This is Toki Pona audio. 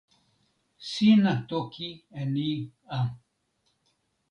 sina toki e ni a.